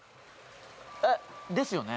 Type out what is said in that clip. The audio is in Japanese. えっですよね？